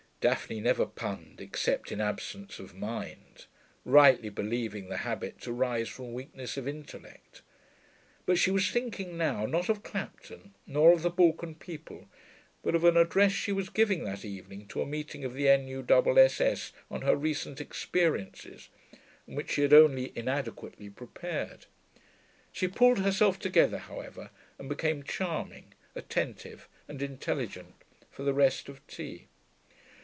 Daphne never punned except in absence of mind, rightly believing the habit to rise from weakness of intellect; but she was thinking now not of Clapton nor of the Balkan people, but of an address she was giving that evening to a meeting of the N.U.W.S.S. on her recent experiences, and which she had only inadequately prepared. She pulled herself together, however, and became charming, attentive, and intelligent for the rest of tea.